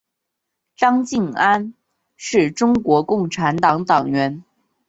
张敬安是中国共产党党员。